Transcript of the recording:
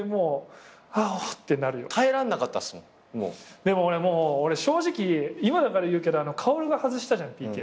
でも俺正直今だから言うけど薫が外したじゃんＰＫ。